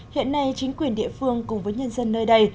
hiện nay chính quyền địa phương cùng với nhân dân nơi đây